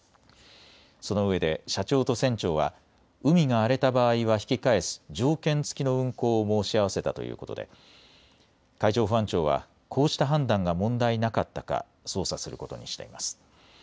そのうえで社長と船長は海が荒れた場合は引き返す条件付きの運航を申し合わせたということで海上保安庁はこうした判断が問題なかったか捜査することにしています。